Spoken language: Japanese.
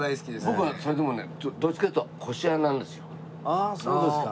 僕はそれでもねどっちかっていうとああそうですか。